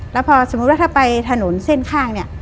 แล้วพอสมมุติว่าถ้าไปถนนเส้นข้างเนี่ย